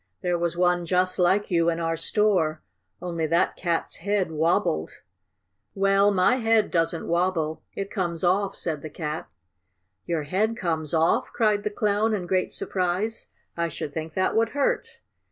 "There was one just like you in our store, only that cat's head wobbled." "Well, my head doesn't wobble it comes off," said the Cat. "Your head comes off!" cried the Clown in great surprise. "I should think that would hurt!"